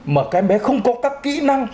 mà các em bé không có các kỹ năng